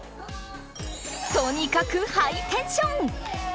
とにかくハイテンション！